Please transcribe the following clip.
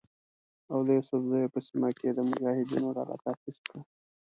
او د یوسفزیو په سیمه کې یې د مجاهدینو ډله تاسیس کړه.